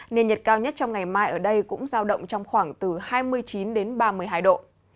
nên nhiệt cao nhất trong ngày mai ở đây cũng giao động trong khoảng từ hai mươi chín đến ba mươi hai độ